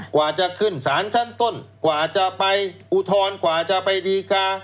กว่าจะขึ้นสารชั้นต้นกว่าจะไปอุทธรณ์กว่าจะไปดีกา